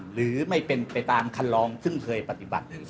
หรือไม่เป็นไปตามคันลองซึ่งเคยปฏิบัติ